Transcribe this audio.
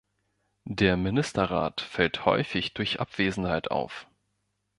Der Ministerrat fällt häufig durch Abwesenheit auf.